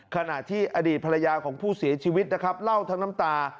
ขณะที่อดีตภรรยาของผู้เสียชีวิตนะครับเล่าทั้งน้ำตา